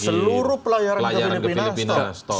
seluruh pelayaran ke filipina stop